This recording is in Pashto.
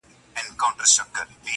شپونکی چي نه سي ږغولای له شپېلۍ سندري-